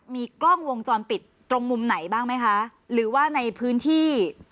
มีกล้องวงจรปิดตรงมุมไหนบ้างไหมคะหรือว่าในพื้นที่